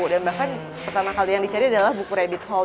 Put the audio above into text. dan bahkan pertama kali yang dicari adalah buku rabbit hole